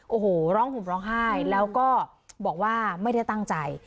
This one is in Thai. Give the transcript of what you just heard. โอ้โหร้องห่มร้องไห้แล้วก็บอกว่าไม่ได้ตั้งใจ